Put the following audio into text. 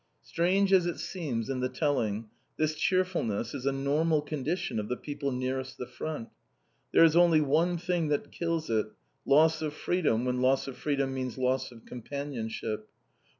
Strange as it seems in the telling, this cheerfulness is a normal condition of the people nearest the front. There is only one thing that kills it, loss of freedom when loss of freedom means loss of companionship.